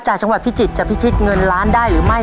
จังหวัดพิจิตรจะพิชิตเงินล้านได้หรือไม่